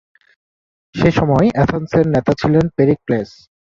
সেসময় অ্যাথেন্সের নেতা ছিলেন পেরিক্লেস।